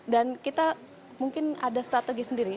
dan kita mungkin ada strategi sendiri